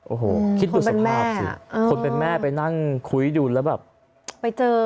โอ้โหคิดดูสภาพสิคนเป็นแม่ไปนั่งคุยดูแล้วแบบไปเจอ